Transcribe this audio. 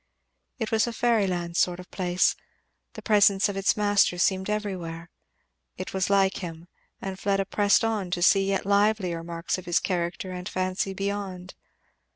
It was a fairyland sort of place. The presence of its master seemed everywhere; it was like him; and Fleda pressed on to see yet livelier marks of his character and fancy beyond.